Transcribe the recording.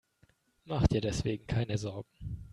Mach dir deswegen keine Sorgen.